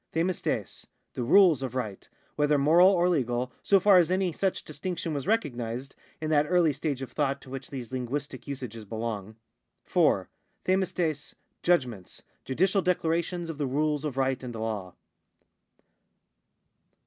Q(fii(Tres, the rules of right, whether moral or legal, so far as any such distinction was recognised in that early stage of thought to which these linguistic usages belong. 4. QeidKTTfQ, judgments, judicial declarations of the rules of right and law.